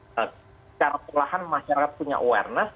secara perlahan masyarakat punya awareness